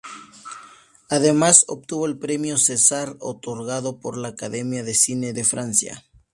Además obtuvo el Premio Cesar, otorgado por la Academia de Cine de Francia.